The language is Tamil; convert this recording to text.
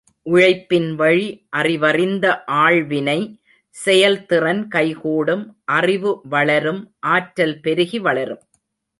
உழைப்பின் வழி அறிவறிந்த ஆள்வினை, செயல் திறன் கைகூடும், அறிவு வளரும் ஆற்றல் பெருகி வளரும்.